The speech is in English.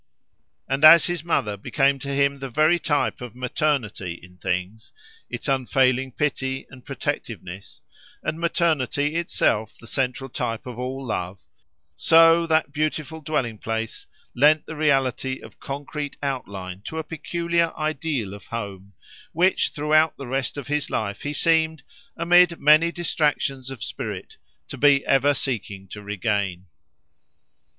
And as his mother became to him the very type of maternity in things, its unfailing pity and protectiveness, and maternity itself the central type of all love;—so, that beautiful dwelling place lent the reality of concrete outline to a peculiar ideal of home, which throughout the rest of his life he seemed, amid many distractions of spirit, to be ever seeking to regain.